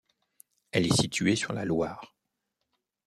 Elle est située sur la Loire.